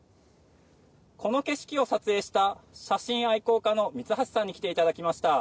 この景色を撮影した写真愛好家の三橋さんに来ていただきました。